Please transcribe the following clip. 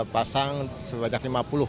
pasang sebajak lima puluh